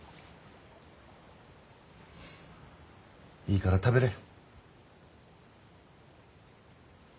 いいから食べれ。